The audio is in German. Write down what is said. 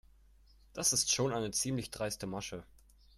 Das ist schon eine ziemlich dreiste Masche.